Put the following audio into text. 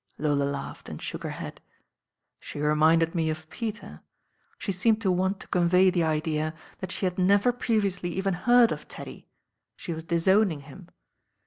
Lola laughed and shook her head. "She reminded me of Peter. She seemed to want to convey the idea that she had never previously even heard of Teddy; she was disowning him.